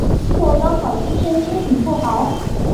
或刚好今天心情不好？